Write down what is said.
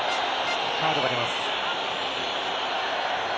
カードが出ます。